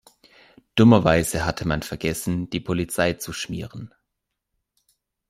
Dummerweise hatte man vergessen, die Polizei zu schmieren.